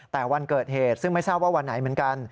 แต่วันเกิดเหตุซึ่งไม่ทราบว่าวันไหนเหมือนกัน